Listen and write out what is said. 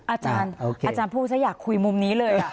อาจารย์พูดซะอยากคุยมุมนี้เลย